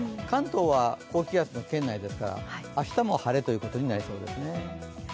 関東は高気圧の圏内ですから明日も晴れということになりそうですね。